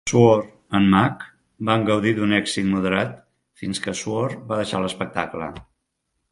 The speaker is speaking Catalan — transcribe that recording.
Swor and Mack van gaudir d'un èxit moderat fins que Swor va deixar l'espectacle.